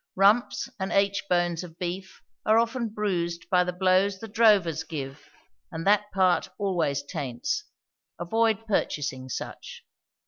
Rumps and aitch bones of beef are often bruised by the blows the drovers give, and that part always taints: avoid purchasing such.